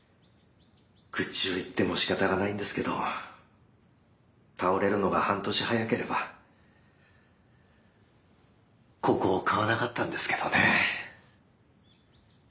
愚痴を言ってもしかたがないんですけど倒れるのが半年早ければここを買わなかったんですけどね。